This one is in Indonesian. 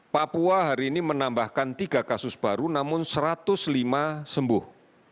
papua hari ini menambahkan tiga kasus baru namun satu ratus lima sembuh